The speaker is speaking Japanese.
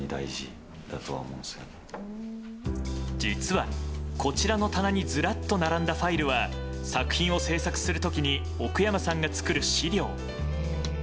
実は、こちらの棚にずらっと並んだファイルは作品を制作するときに奥山さんが作る資料。